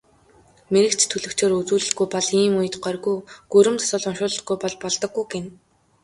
Мэргэч төлгөчөөр үзүүлэлгүй бол ийм үед горьгүй, гүрэм засал уншуулалгүй бол болдоггүй гэнэ.